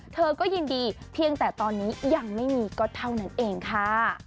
เธอก็ยินดีเพียงแต่ตอนนี้ยังไม่มีก็เท่านั้นเองค่ะ